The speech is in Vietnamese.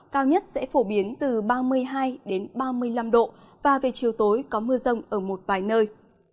cao nhất sẽ phổ biến từ ba mươi hai ba mươi năm độ và về chiều tối có mưa rông ở một vài nơi